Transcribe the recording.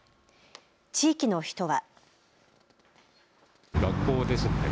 地域の人は。